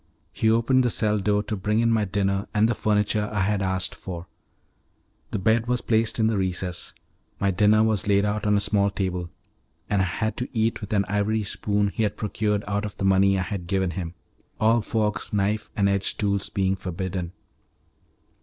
He opened the cell door to bring in my dinner and the furniture I had asked for. The bed was placed in the recess; my dinner was laid out on a small table, and I had to eat with an ivory spoon he had procured out of the money I had given him; all forks, knives, and edged tools being forbidden.